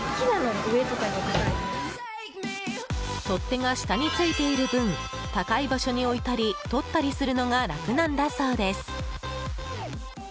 取っ手が下に付いている分高い場所に置いたり取ったりするのが楽なんだそうです。